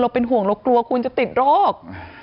เป็นห่วงเรากลัวคุณจะติดโรค